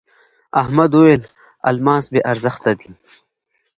احمد وويل: الماس بې ارزښته دی.